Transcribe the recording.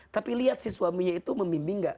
tapi lihat si suaminya itu memimbing tidak